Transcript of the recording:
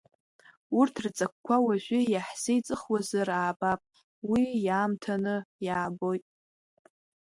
Урҭ рҵакқәа уажәы иаҳзеиҵыхуазар аабап, уи иаамҭа-ны иаабоит.